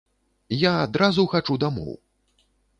Я адразу хачу дамоў!